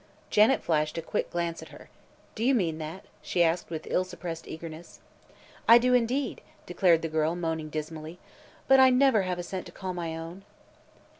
Janet flashed a quick glance at her. "Do you mean that?" she asked with ill suppressed eagerness. "I do, indeed," declared the girl, moaning dismally; "but I never have a cent to call my own."